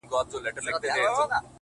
دا ستا په ياد كي بابولاله وايم ـ